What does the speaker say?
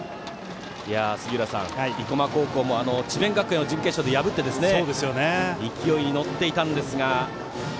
杉浦さん、生駒高校も智弁学園を準決勝で破って勢いに乗っていたんですが。